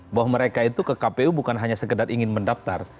bahwa mereka itu ke kpu bukan hanya sekedar ingin mendaftar